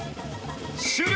終了！